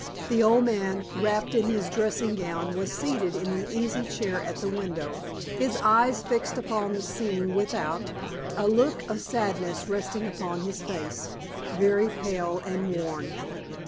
The old man, wrapped in his dressing gown, was seated in an easy chair at the window, his eyes fixed upon the scene without, a look of sadness resting upon his face very pale and worn.